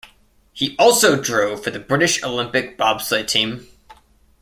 He also drove for the British Olympic bobsleigh team.